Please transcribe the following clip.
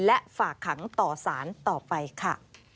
และฝากขังต่อสารต่อไปค่ะ